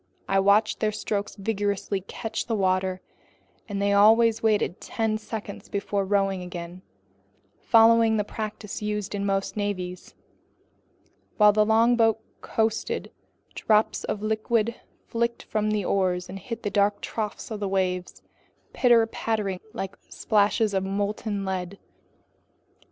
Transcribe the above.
I watched their strokes vigorously catch the water, and they always waited ten seconds before rowing again, following the practice used in most navies. While the longboat coasted, drops of liquid flicked from the oars and hit the dark troughs of the waves, pitter pattering like splashes of molten lead.